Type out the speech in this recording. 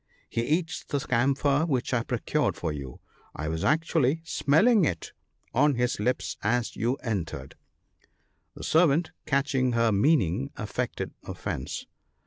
he eats the camphor which I procured for you ; I was actually smelling it on his lips as you entered." The servant catching her meaning, affected offence.